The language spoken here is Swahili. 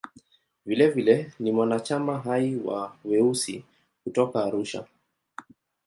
Vilevile ni mwanachama hai wa "Weusi" kutoka Arusha.